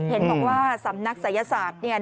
เห็นบอกว่าสำนักสายศาสตร์